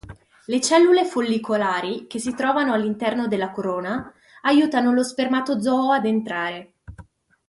Le cellule follicolari che si ritrovano all'esterno della corona aiutano lo spermatozoo ad entrare.